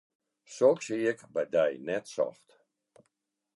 Soks hie ik by dy net socht.